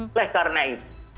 pleh karena itu